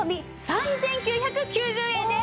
３９９０円です！